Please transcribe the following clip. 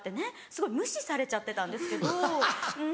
すごい無視されちゃってたんですけどウン。